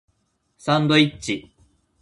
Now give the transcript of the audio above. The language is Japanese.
サンドイッチ